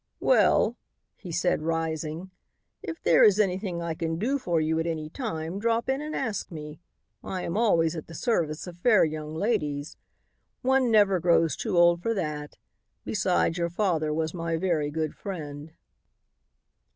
"Well," he said rising, "if there is anything I can do for you at any time, drop in and ask me. I am always at the service of fair young ladies. One never grows too old for that; besides, your father was my very good friend."